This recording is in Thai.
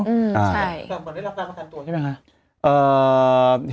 แต่ก่อนได้รับรับรับรับทานตัวใช่ไหมคะ